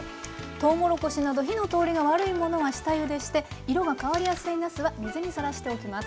とうもろこしなど火の通りが悪いものは下ゆでして色が変わりやすいなすは水にさらしておきます。